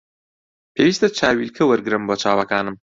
پێویستە چاویلکە وەرگرم بۆ چاوەکانم